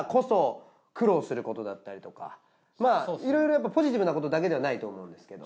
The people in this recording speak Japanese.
いろいろやっぱポジティブなことだけではないと思うんですけど。